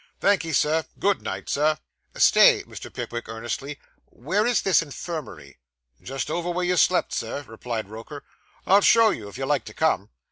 Thank'ee, Sir. Good night, sir.' 'Stay,' said Mr. Pickwick earnestly. 'Where is this infirmary?' 'Just over where you slept, sir,' replied Roker. 'I'll show you, if you like to come.